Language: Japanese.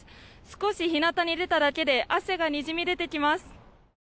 少し日なたに出ただけで汗がにじみ出てきます。